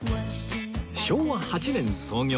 昭和８年創業